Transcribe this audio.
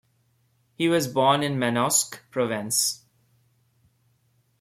He was born in Manosque, Provence.